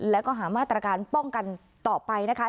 แล้วก็หามาตรการป้องกันต่อไปนะคะ